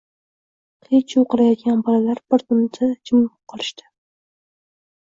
Qiy-chuv qilayotgan bolalar bir zumda jimib qolishdi.